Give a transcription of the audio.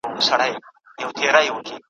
د رنګ او ښایست سیمه ده ,